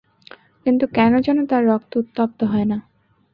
কিন্তু কেন যেন তার রক্ত উত্তপ্ত হয় না।